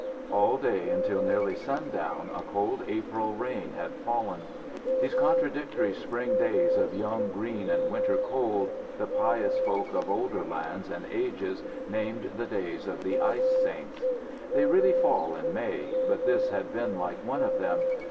All day until nearly sundown a cold April rain had fallen. These contradictory spring days of young green and winter cold the pious folk of older lands and ages named the days of the ice saints. They really fall in May, but this had been like one of them.